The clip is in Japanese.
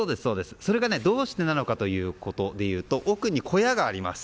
それがどうしてなのかということでいうと奥に小屋があります。